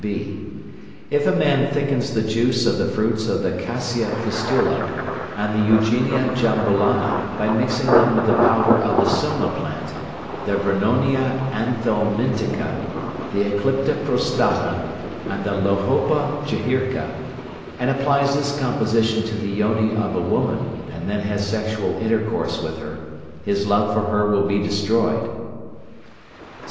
(b). If a man thickens the juice of the fruits of the cassia fistula, and the eugenia jambolana by mixing them with the powder of the soma plant, the vernonia anthelmintica, the eclipta prostata, and the lohopa jihirka, and applies this composition to the yoni of a woman, and then has sexual intercourse with her, his love for her will be destroyed.